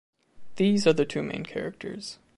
These are the two main characters.